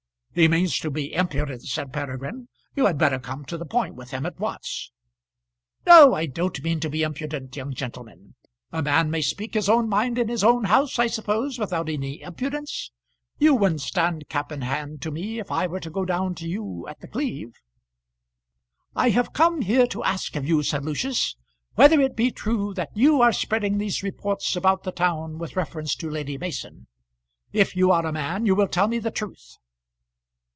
"He means to be impudent," said Peregrine. "You had better come to the point with him at once." "No, I don't mean to be impudent, young gentleman. A man may speak his own mind in his own house I suppose without any impudence. You wouldn't stand cap in hand to me if I were to go down to you at The Cleeve." "I have come here to ask of you," said Lucius, "whether it be true that you are spreading these reports about the town with reference to Lady Mason. If you are a man you will tell me the truth."